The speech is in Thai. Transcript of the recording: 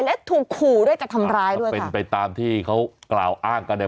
และถูกขู่ด้วยจะทำร้ายด้วยเป็นไปตามที่เขากล่าวอ้างกันเนี่ย